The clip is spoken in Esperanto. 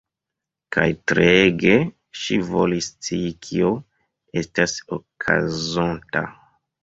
Kaj treege ŝi volis scii kio estas okazonta.